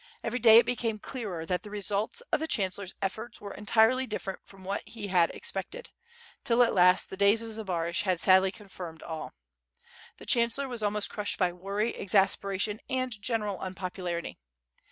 Every day it became clearer that the results of the chan cellor's efforts were entirely different from what he had ex pected, till at last the days of Zbaraj had sadly confirmed all. The chancellor was almost crushed by worry, exasperation, and general unpopularity.